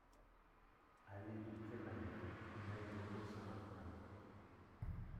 Allée de Pré Mayen, Montbonnot-Saint-Martin